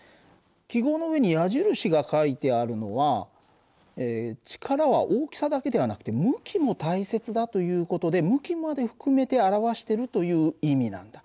記号の上に矢印が書いてあるのは力は大きさだけではなくて向きも大切だという事で向きまで含めて表してるという意味なんだ。